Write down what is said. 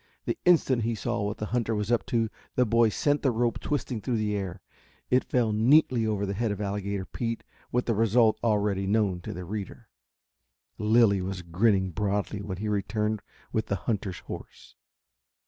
The instant he saw what the hunter was up to, the boy sent the rope twisting through the air. It fell neatly over the head of Alligator Pete with the result already known to the reader. Lilly was grinning broadly when he returned with the hunter's horse.